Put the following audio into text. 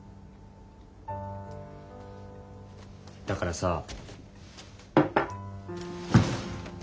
だからさ。